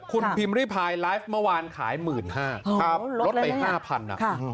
คุณพิมพ์ริพายไลฟ์เมื่อวานขาย๑๕๐๐บาทลดไป๕๐๐บาท